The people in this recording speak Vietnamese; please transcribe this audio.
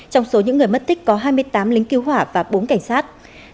trong số những người mất tích có hai mươi tám lính cứu hỏa và bốn cảnh sát